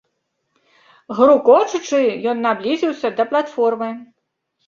Грукочучы, ён падблізіўся да платформы.